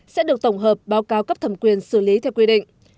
sẽ được tổng hợp báo cáo cấp thẩm quyền xử lý theo quy định